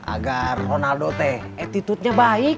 agar ronaldo teh attitude nya baik